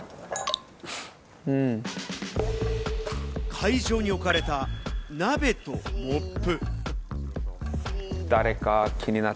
会場に置かれた、鍋とモップ。